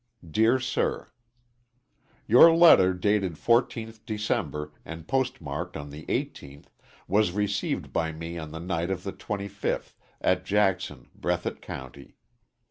Dear Sir: Your letter dated 14th December, and postmarked on the 18th, was received by me on the night of the 25th, at Jackson, Breathitt County.